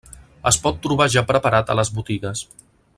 Es pot trobar ja preparat a les botigues.